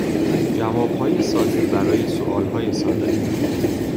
جوابهای ساده برای سوالهای ساده